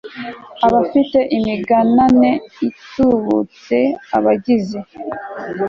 abafite imiganane itubutse abagize